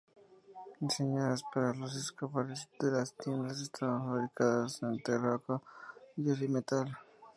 Diseñadas para los escaparates de las tiendas, estaban fabricadas en terracota, yeso y metal.